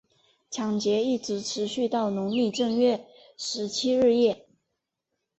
抢劫一直持续到农历正月十七日夜。